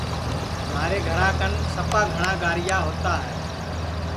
مھارے گھرا کن سپا گھٹؔا گاریا ہؤتا ہے